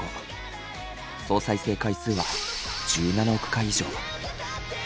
総再生回数は１７億回以上。